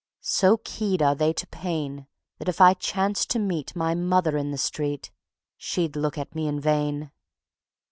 So keyed are they to pain, That if I chanced to meet My mother in the street She'd look at me in vain.